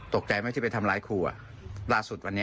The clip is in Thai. ตกใจไหมที่ไปทำร้ายครูอ่ะล่าสุดวันนี้